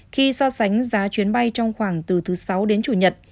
khi so sánh giá chuyến bay trong khoảng từ thứ sáu đến chủ nhật